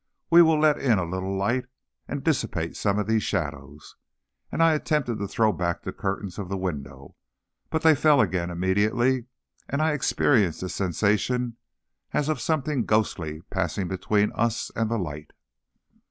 "We will let in a little light, and dissipate some of these shadows." And I attempted to throw back the curtains of the window, but they fell again immediately and I experienced a sensation as of something ghostly passing between us and the light.